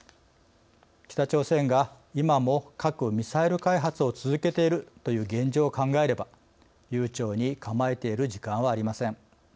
北朝鮮が今も核・ミサイル開発を続けているという現状を考えれば悠長に構えている時間はありません。